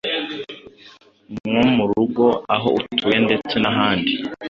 nko mu rugo aho utuye ndetse n'ahandi